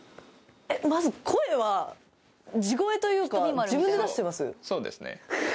まずというか自分で出してます？